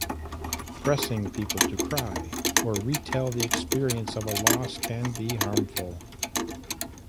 Pressing people to cry or retell the experience of a loss can be harmful.